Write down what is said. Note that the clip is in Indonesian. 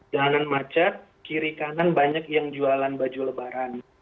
jalanan macet kiri kanan banyak yang jualan baju lebaran